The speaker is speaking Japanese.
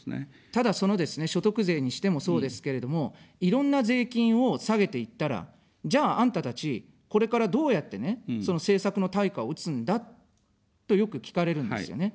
ただ、そのですね、所得税にしてもそうですけれども、いろんな税金を下げていったら、じゃあ、あんたたち、これからどうやってね、その政策の対価を打つんだと、よく聞かれるんですよね。